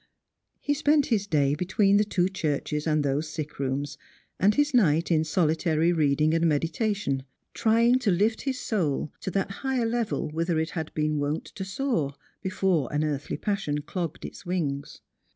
He spent his day between the two churches and those sick rooms, and his night in solitary reading and meditation; trying to lift his soul to that higher level whither it had been wont to soar before an earthly passion clogged its wings.